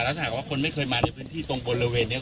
ถ้าหากว่าคนไม่เคยมาในพื้นที่ตรงบริเวณนี้